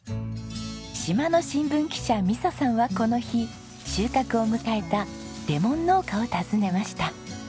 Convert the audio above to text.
島の新聞記者美砂さんはこの日収穫を迎えたレモン農家を訪ねました。